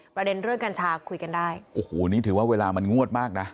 ประเด็นเรื่องกัญชาคุยกันได้โอ้โหนี่ถือว่าเวลามันงวดมากนะ